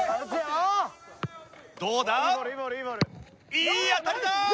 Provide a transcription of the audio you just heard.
いい当たりだ！